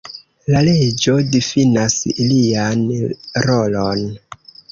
La leĝo difinas ilian rolon.